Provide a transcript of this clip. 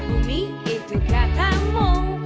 bumi itu katamu